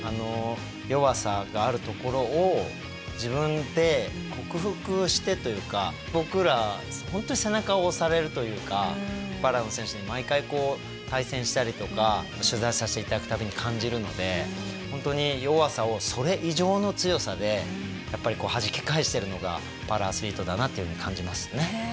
弱さがあるところを自分で克服してというか僕らほんとに背中を押されるというかパラの選手に毎回対戦したりとか取材させて頂く度に感じるのでほんとに弱さをそれ以上の強さでやっぱりはじき返してるのがパラアスリートだなっていうふうに感じますね。